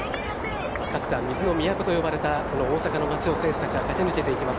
かつては水の都と呼ばれたこの大阪の街を選手たちは駆け抜けていきます。